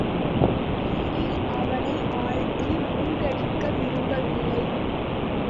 நீரில் அவனை ஆழ்த்தி மூழ்கடிக்க விரும்பவில்லை.